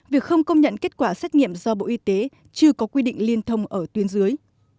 việc không công nhận kết quả xét nghiệm do bộ y tế chưa có quy định liên thông ở tuyến dưới